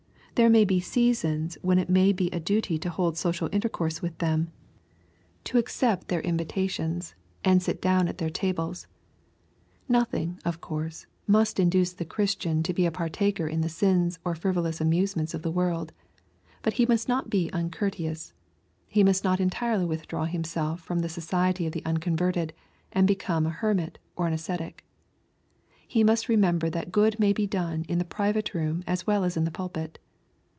There may be seasons when it may be a duty to hold social intercourse with them, to accept their invi LUKE, OHAP. XI. 43 tations, and sit down at their tables. Nothing, of course, must induce the Christian to be a partaker in the sins or frivolous amusements of the world. But he must not be uncourteous. He must not entirely withdraw himself from the society of the unconverted, and become a her mit or an ascetic. He must remember that good may be done in the private room as well as in the pulpit.